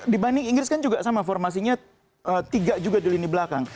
dibanding inggris kan juga sama formasinya tiga juga di lini belakang